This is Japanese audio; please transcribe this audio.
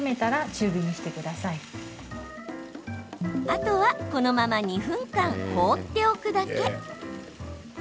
あとは、このまま２分間放っておくだけ。